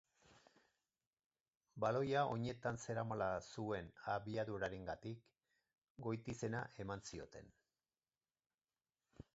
Baloia oinetan zeramala zuen abiadurarengatik, goitizena eman zioten.